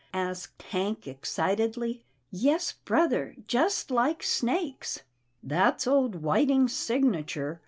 asked Hank excitedly. " Yes brother, just like snakes." " That's old Whiting's signature.